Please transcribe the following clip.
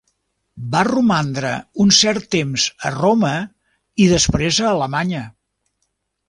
Va romandre un cert temps a Roma i després a Alemanya.